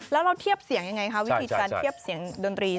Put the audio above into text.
แล้วเราเทียบเสียงยังไงคะวิธีการเทียบเสียงดนตรี